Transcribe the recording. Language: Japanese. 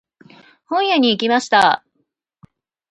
本屋に行きました。